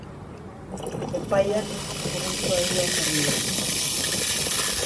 Epaileak urruntzeko agindua ezarri dio.